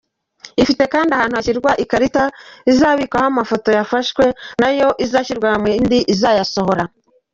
Ifite kandi ahantu hashyirwa ikarita izabikwaho amafoto yafashwe, na yo izashyirwa mu yindi iyasohora.